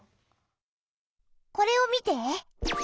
これを見て。